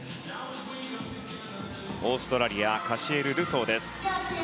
オーストラリアカシエル・ルソーです。